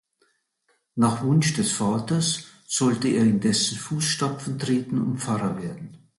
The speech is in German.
Nach Wunsch des Vaters sollte er in dessen Fußstapfen treten und Pfarrer werden.